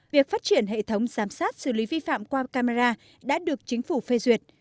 việc phát triển hệ thống giám sát xử lý vi phạm qua camera đã được chính phủ phê duyệt